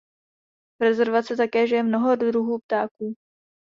V rezervaci také žije mnoho druhů ptáků.